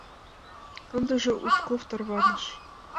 Ындыже Узков тарваныш.